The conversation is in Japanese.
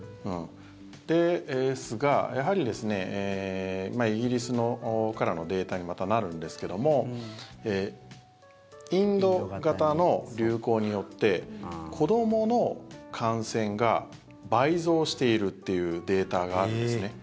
ですが、イギリスからのデータにまた、なるんですけどもインド型の流行によって子どもの感染が倍増しているというデータがあるんですね。